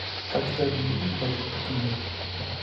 Ha visitado la India en varias oportunidades.